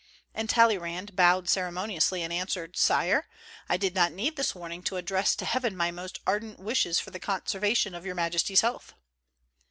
And Talleyrand bowed ceremoni ously and answered, "Sire, I did not need this warning to address to heaven my most ardent wishes for the conservation of Your Majesty's health."